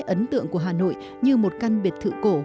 ấn tượng của hà nội như một căn biệt thự cổ